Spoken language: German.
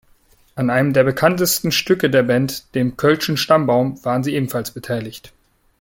An einem der bekanntesten Stücke der Band, dem "Kölschen Stammbaum", waren sie ebenfalls beteiligt.